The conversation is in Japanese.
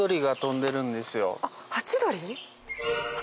あっハチドリ？